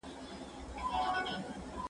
زه پرون سبزیجات جمع کړل؟